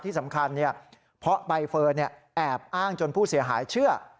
ที่สำคัญเพราะใบเฟิร์นแอบอ้างจนผู้เสียหายเชื่อ